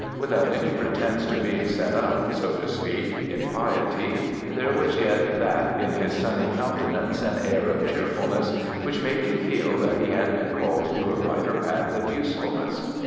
Without any pretence to being set up so to speak in piety, there was yet that in his sunny countenance and air of cheerfulness, which made you feel that he had been called to a brighter path of usefulness.